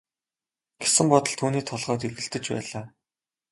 гэсэн бодол түүний толгойд эргэлдэж байлаа.